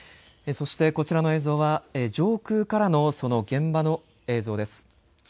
そしてこちらの映像は上空からのその現場の映像です。